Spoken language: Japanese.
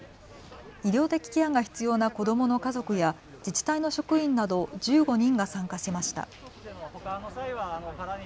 医療的ケアが必要な子どもの家族や自治体の職員など１５人が参加しました。